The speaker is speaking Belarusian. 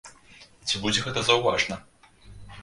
Ці будзе гэта заўважна?